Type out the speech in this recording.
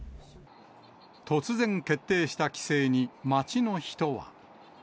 突然、決定した規制に、街の人は。